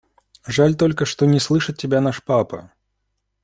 Жаль только, что не слышит тебя наш папа.